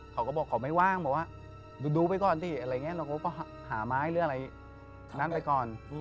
เขาก็บอกว่าเขาไม่ว่างดูไปก่อนหาไม้หรืออะไรนั้นไปก่อน